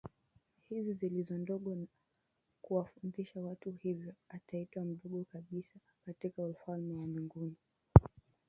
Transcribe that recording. hizi zilizo ndogo na kuwafundisha watu hivyo ataitwa mdogo kabisa katika ufalme wa mbinguni